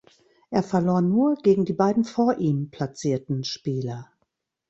Er verlor nur gegen die beiden vor ihm platzierten Spieler.